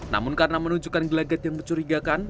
namun karena menunjukkan gelagat yang mencurigakan